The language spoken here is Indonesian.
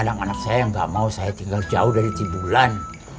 anak anak saya yang gak mau saya tinggal jauh dari cibulan